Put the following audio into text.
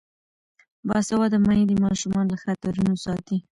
باسواده میندې ماشومان له خطرونو ساتي.